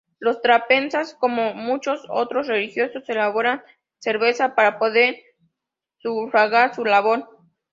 Los trapenses, como muchos otros religiosos, elaboraban cerveza para poder sufragar su labor.